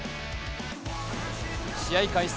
試合開始